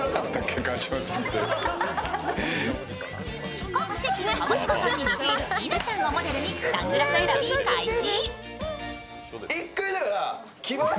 比較的川島さんに似ている稲ちゃんをモデルにサングラス選び開始。